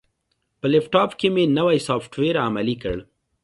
په لپټاپ کې مې نوی سافټویر عملي کړ.